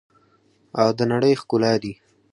او د نړۍ ښکلا دي.